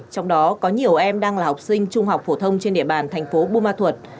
trong đó có nhiều em đang là học sinh trung học phổ thông trên địa bàn thành phố bù ma thuật